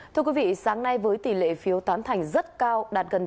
thưa quý vị sáng nay với tỷ lệ phiếu tán thành rất cao đạt gần chín mươi bốn